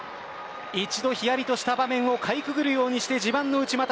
一度ひやりとした場面をかいくぐるようにして自慢の内股